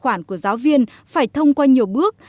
thì các bài của giáo viên phải thông qua nhiều bước